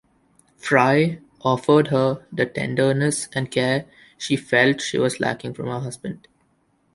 Fry offered her the tenderness and care she felt was lacking from her husband.